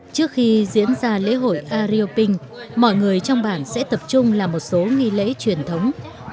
trước khi diễn ra lễ hội arioping mọi người trong bản sẽ tập trung làm một số nghi lễ truyền thống